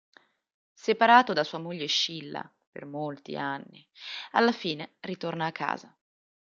Separato da sua moglie Scilla, per molti anni, alla fine ritorna a casa.